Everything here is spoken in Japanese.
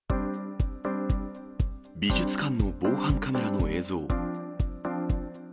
美術館の防犯カメラの映像。